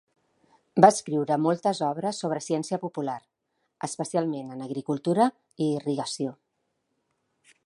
Va escriure moltes obres sobre ciència popular, especialment en agricultura i irrigació.